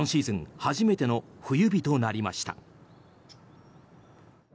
初めての冬日となりました。